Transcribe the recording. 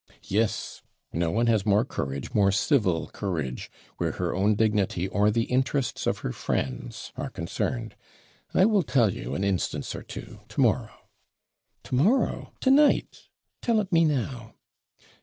'Yes; no one has more courage, more civil courage, where her own dignity, or the interests of her friends are concerned. I will tell you an instance or two to morrow.' 'To morrow! To night! tell it me now.'